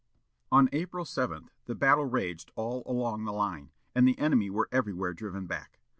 On April 7 the battle raged all along the line, and the enemy were everywhere driven back.